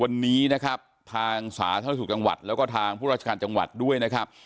วันนี้นะครับทางสาธารณสุขจังหวัดแล้วก็ทางผู้ราชการจังหวัดด้วยนะครับ